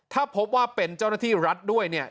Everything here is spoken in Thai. ถ้าพบว่าเป็นเจ้าหน้าที่รัฐด้วยเนี่ย